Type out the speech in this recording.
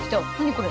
これ。